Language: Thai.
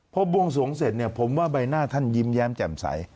พอบวงสวงเสร็จเนี่ยผมว่าใบหน้าท่านยิ้มแย้มแจ่มใส